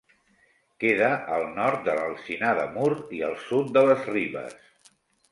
Queda al nord de l'Alzinar de Mur i al sud de les Ribes.